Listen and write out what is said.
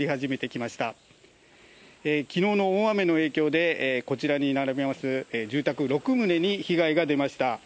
きのうの大雨の影響で、こちらに並びます住宅６棟に被害が出ました。